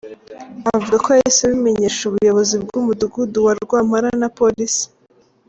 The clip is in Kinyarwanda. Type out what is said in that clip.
Avuga ko yahise abimenyesha ubuyobozi bw’umudugudu wa Rwampara na polisi.